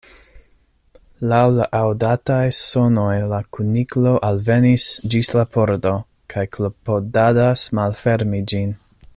Laŭ la aŭdataj sonoj la Kuniklo alvenis ĝis la pordo, kaj klopodadas malfermi ĝin.